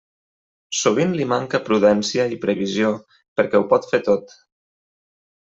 Sovint li manca prudència i previsió, perquè ho pot fer tot.